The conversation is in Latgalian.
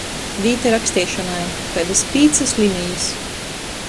Vīta raksteišonai – kaidys pīcys linejis.